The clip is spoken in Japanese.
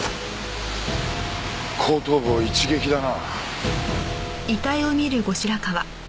後頭部を一撃だな。